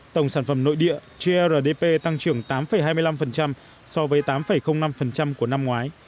tổng sản phẩm nội địa grdp tăng trưởng tám hai mươi năm so với tám năm của năm ngoái